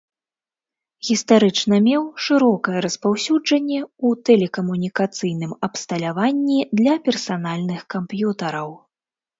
Гістарычна меў шырокае распаўсюджанне ў тэлекамунікацыйным абсталяванні для персанальных камп'ютараў.